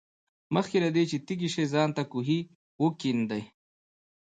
مخکې له دې چې تږي شې ځان ته کوهی وکیندئ.